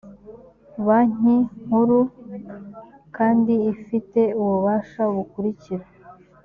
banki nkuru kandi ifite ububasha bukurikira